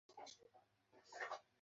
সেইটাই তো বলছি।